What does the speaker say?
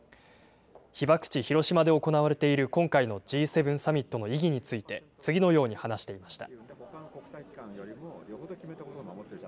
被爆地、広島で行われている今回のＧ７サミットの意義について、次のように話していました。